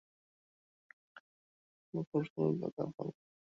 বকুল ফুল, ফল, পাকা ফল, পাতা, গাছের ছাল, কাণ্ড, কাঠ সব কিছুই কাজে লাগে।